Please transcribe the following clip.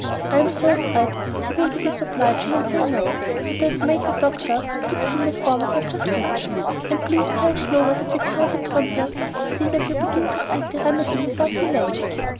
I am so afraid that you will be disobliging, and say 'No,' that I have made the doctor put it in the form of a prescription; and please tell Clover that we count upon her to see that you begin to take the remedy without delay."